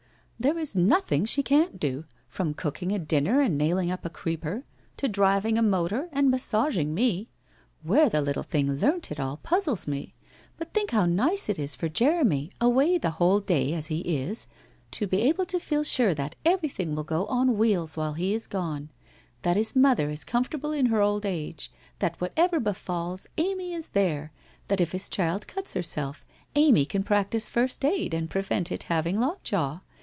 'There is nothing she can't do, from cooking a dinner and nailing up a creeper, to driving a motor and massaging me. Where the little thing learnt it all puzzles me ! But. think how nice it is for Jeremy, away the whole day, as he is, to be able to feel sure that everything will go on wheels while he is gone, that his mother is comfortable in her old age, that whatever befalls, Amy is there, that if his child cuts herself, Amy can practise first aid and prevent its having lockjaw